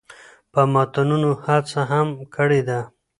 د ماتونو هڅه هم کړې ده